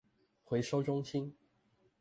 回收中心